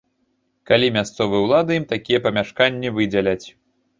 Калі мясцовыя ўлады ім такія памяшканні выдзяляць.